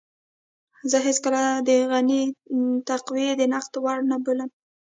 زه هېڅکله هم د غني تقوی د نقد وړ نه بولم.